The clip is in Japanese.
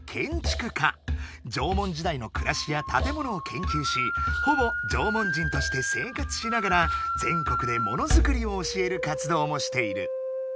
縄文時代のくらしやたてものをけんきゅうしほぼ縄文人として生活しながら全国でもの作りを教える活動もしている。